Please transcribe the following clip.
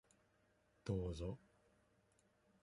どうぞ。